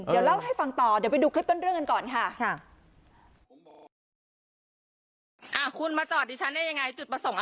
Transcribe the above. เดี๋ยวเล่าให้ฟังต่อเดี๋ยวไปดูคลิปต้นเรื่องกันก่อนค่ะ